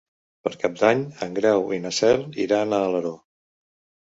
Per Cap d'Any en Grau i na Cel iran a Alaró.